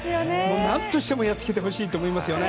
何としてもやっつけてほしいと思いますよね。